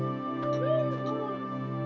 buat kesuksesan kita sama sama